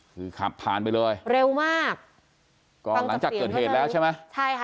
คือขับผ่านไปเลยเร็วมากก็หลังจากเกิดเหตุแล้วใช่ไหมใช่ค่ะ